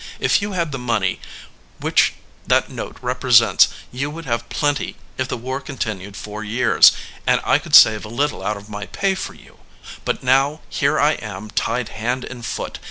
If you had the money which that note repre sents you would have plenty if the war continued four years, and I could save a little out of my pay for you; but now here I am tied hand and foot.